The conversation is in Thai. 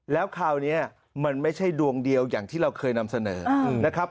แล้วคราวนี้มันไม่ใช่ดวงเดียวอย่างที่เราเคยนำเสนอนะครับ